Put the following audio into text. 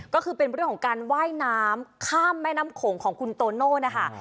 ก็คือเป็นเรื่องของการว่ายน้ำข้ามแม่น้ำโขงของคุณโตโน่นะคะ